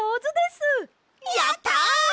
やった！